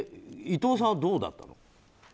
伊藤さんはどうだったの？